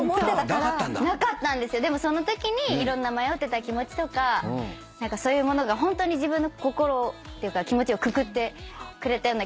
でもそのときにいろんな迷ってた気持ちとかそういうものがホントに自分の気持ちをくくってくれたような気がして。